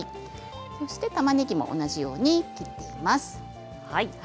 たまねぎも同じように切っていきます。